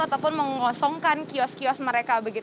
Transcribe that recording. ataupun mengosongkan kios kios mereka